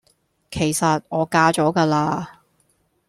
其實我嫁咗㗎啦